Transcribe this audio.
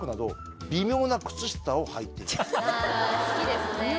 あぁ好きですね。